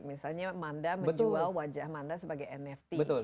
misalnya manda menjual wajah manda sebagai nft